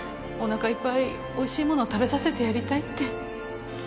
お腹いっぱいおいしいものを食べさせてやりたいって。